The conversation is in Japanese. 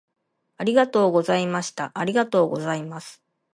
ありがとうございました。ありがとうございます。